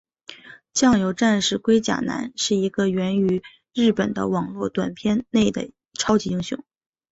酱油战士龟甲男是一个源于日本的网络短片内的超级英雄。